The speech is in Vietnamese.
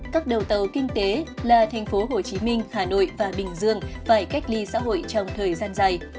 các đầu tàu kinh tế là thành phố hồ chí minh hà nội và bình dương phải cách ly xã hội trong thời gian dài